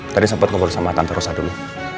tadi sempat keberusahaan mata antarosa dulu